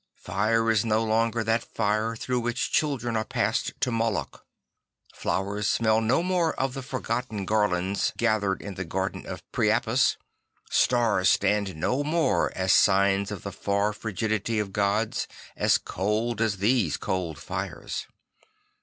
Fire is no longer that fire through which children were passed to Ioloch. Flowers smell no more of the forgotten garlands gathered in the garden of Priapus; stars stand no more as signs of the far frigidity of gods as cold as those cold fires.